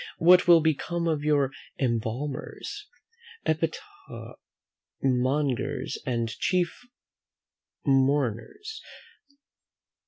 What will become of your embalmers, epitaph mongers, and chief mourners?